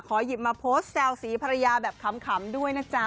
หยิบมาโพสต์แซวสีภรรยาแบบขำด้วยนะจ๊ะ